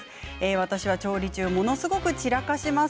私は調理中ものすごく散らかします。